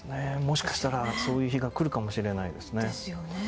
もしかしたらそういう日が来るかもしれないですね。ですよね。